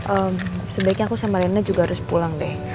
eh sebaiknya aku sama rena juga harus pulang deh